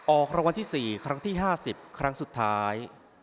ออกรางวัลที่สี่ครั้งที่ห้าสิบครั้งสุดท้าย